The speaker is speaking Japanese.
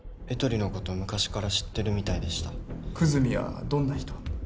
エトリのこと昔から知ってるみたいでした久住はどんな人？